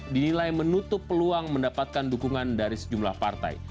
dinilai menutup peluang mendapatkan dukungan dari sejumlah partai